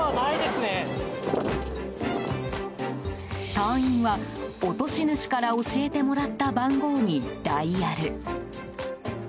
隊員は、落とし主から教えてもらった番号にダイヤル。